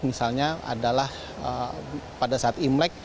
misalnya adalah pada saat imlek